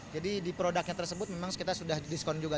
jadi di produknya tersebut memang kita sudah diskon juga